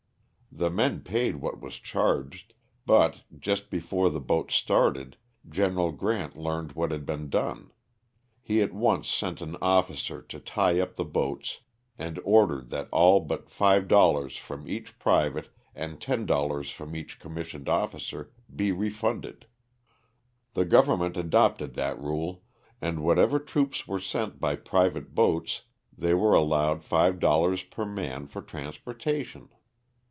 The men paid what was charged, but, just before the boats started. Gen. Grant learned what had been done. He at once sent an officer to tie up the boats and ordered that all but $5 from each private and $10 from each commis sioned officer be refunded. The government adopted that rule, and whenever troops were sent by private boats they were allowed $5 per man for transportation.